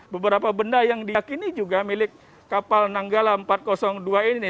beberapa benda yang diakini juga milik kapal nanggala empat ratus dua ini